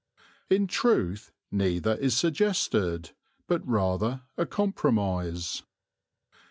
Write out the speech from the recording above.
In truth, neither is suggested, but rather a compromise.